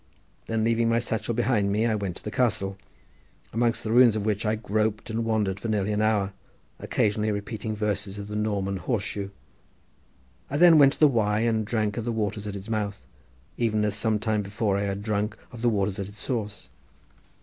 Then leaving my satchel behind me I went to the castle, amongst the ruins of which I groped and wandered for nearly an hour, occasionally repeating verses of the "Norman Horseshoe." I then went to the Wye and drank of the waters at its mouth, even as sometime before I had drunk of the waters at its source.